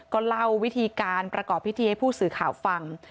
ก็เล่าวิธีการประกอบพิธีให้ผู้สื่อข่าวฟัง